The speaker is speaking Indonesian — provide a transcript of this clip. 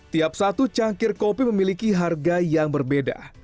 tiap satu cangkir kopi memiliki harga yang berbeda